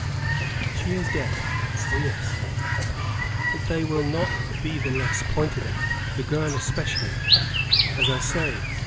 "She is dead oh, yes. But they will not be the less pointed at, the girl especially, as I say.